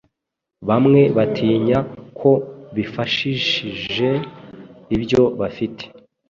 Bamwe batinya ko bifashishje ibyo bafite